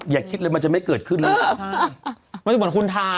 อย่าคิดเลยมันจะไม่เกิดขึ้นเลย